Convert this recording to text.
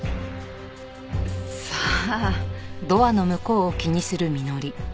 さあ。